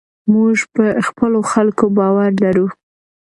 موږ په خپلو خلکو باور لرو.